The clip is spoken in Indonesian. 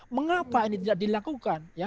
mengapa ini tidak dilakukan